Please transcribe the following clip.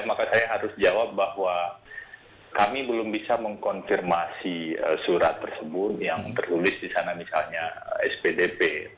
maka saya harus jawab bahwa kami belum bisa mengkonfirmasi surat tersebut yang tertulis di sana misalnya spdp